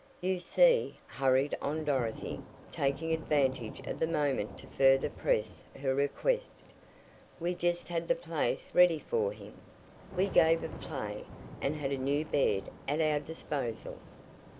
"You see," hurried on Dorothy, taking advantage of the moment to further press her request, "we just had the place ready for him. We gave a play, and had a new bed at our disposal."